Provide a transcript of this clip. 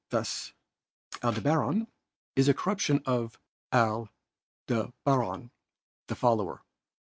Thus Aldebaran is a corrup tion of Al Dabaran, the follower.